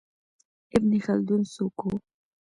ابن خلدون څوک و؟